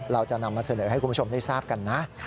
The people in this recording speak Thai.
เราจะนำมาเสนอให้คุณผู้ชมได้ทราบกันนะ